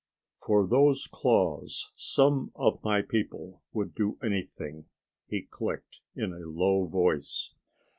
"For those claws some of my people would do anything," he clicked in a low voice.